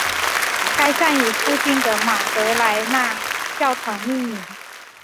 该站以附近的马德莱娜教堂命名。